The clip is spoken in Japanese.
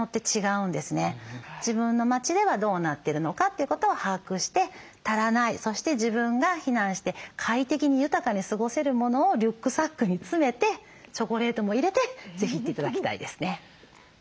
自分の町ではどうなってるのかということを把握して足らないそして自分が避難して快適に豊かに過ごせるものをリュックサックに詰めてチョコレートも入れて是非行って頂きたいですね。